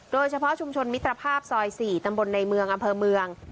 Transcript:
โดยเฉพาะชุมชนมิตรภาพซอย๔ตำบลในเมืองอำเภอเมือง